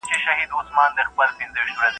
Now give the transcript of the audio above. يا غوا غيي، يا غړکي څيري.